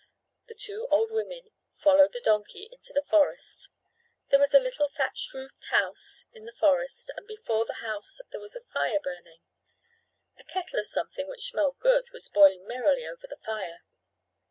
The two old women followed the donkey into the forest. There was a little thatched roofed house in the forest and before the house there was a fire burning. A kettle of something which smelled good was boiling merrily over the fire.